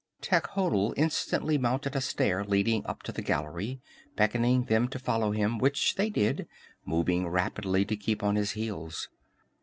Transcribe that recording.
Techotl instantly mounted a stair leading up to the gallery, beckoning them to follow him, which they did, moving rapidly to keep on his heels.